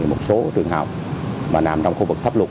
một số trường học nằm trong khu vực thấp lụt